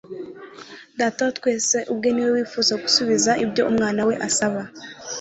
Data wa twese ubwe ni we wifuza gusubiza ibyo Umwana we asaba.